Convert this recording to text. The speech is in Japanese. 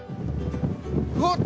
うわっ。